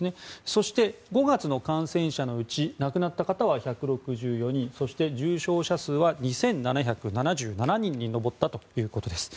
そして、５月の感染者のうち亡くなった方は１６４人そして重症者数は２７７７人に上ったということです。